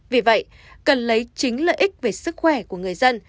vì vậy cần lấy chính lợi ích về sức khỏe của người dân